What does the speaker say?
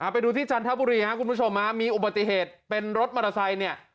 ไปดูที่จันทบุรีครับคุณผู้ชมมีอุบัติเหตุเป็นรถมอเตอร์ไซค์เนี่ย